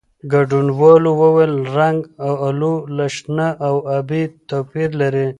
ګډونوالو وویل، رنګ "اولو" له شنه او ابي توپیر لري.